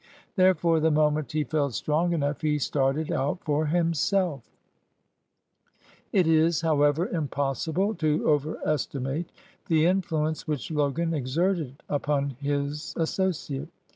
Therefore, the moment he felt strong enough, he started out for himself. 132 JUDGE LOGAN AND LINCOLN It is, however, impossible to overestimate the influence which Logan exerted upon his asso ciate.